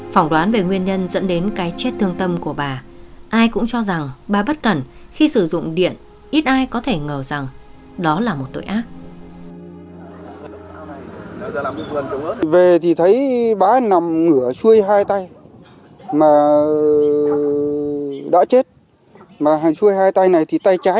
phỏng đoán về nguyên nhân dẫn đến cái chết thương tâm của bà ai cũng cho rằng bà bất cẩn khi sử dụng điện ít ai có thể ngờ rằng đó là một tội ác